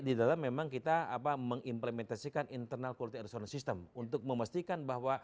ut di dalam memang kita mengimplementasikan internal kualitas lulusan mahasiswa untuk memastikan bahwa